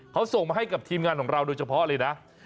เขาส่งมาให้กับทีมงานของเราโดยเฉพาะเลยนะ